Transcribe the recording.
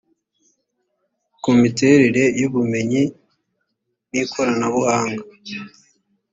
ku miterere y ubumenyi n ikoranabuhanga